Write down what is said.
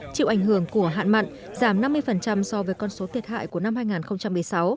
chịu ảnh hưởng của hạn mặn giảm năm mươi so với con số thiệt hại của năm hai nghìn một mươi sáu